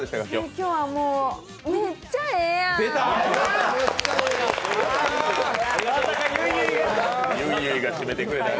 今日はもうめっちゃええやん。